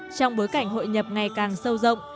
trong bối cảnh hội nhập ngày càng sâu rộng